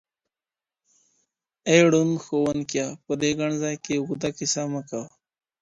ای ړوند ښوونکيه، په دې ګڼ ځای کي اوږده کیسه مه کوه.